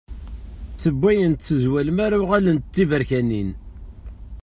Ttewwayent tezwal mi ara uɣalent d tiberkanin.